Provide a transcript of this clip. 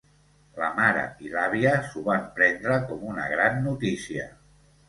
La mare i l'àvia s'ho van prendre com una gran notícia.